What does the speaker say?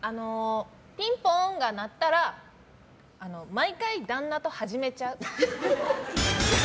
ピンポンが鳴ったら毎回、旦那と始めちゃう。